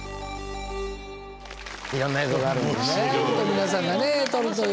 皆さんがね撮るという。